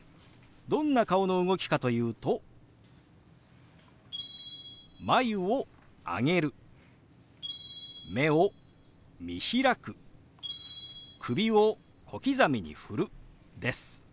どんな顔の動きかというと眉を上げる目を見開く首を小刻みに振るです。